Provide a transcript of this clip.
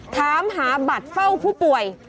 ถามหาบัตรเฝ้าผู้ป่วย